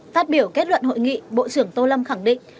phát biểu kết luận hội nghị bộ trưởng tô lâm khẳng định